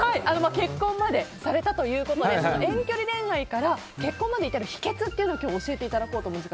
結婚までされたということで遠距離恋愛から結婚まで至る秘訣というのを今日、教えていただこうと思います。